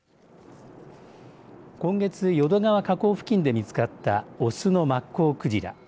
今月、淀川河口付近で見つかった雄のマッコウクジラ。